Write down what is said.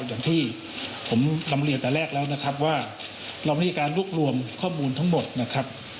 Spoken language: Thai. อย่างที่ผมนำเรียนแต่แรกแล้วนะครับว่าเรามีการรวบรวมข้อมูลทั้งหมดนะครับ